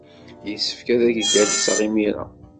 Yessefk ad ak-d-alsen imir-a.